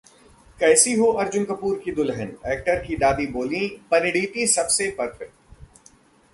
कैसी हो अर्जुन कपूर की दुल्हन? एक्टर की दादी बोलीं- परिणीति सबसे परफेक्ट